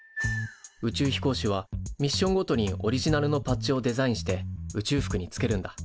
宇宙飛行士はミッションごとにオリジナルのパッチをデザインして宇宙服につけるんだ。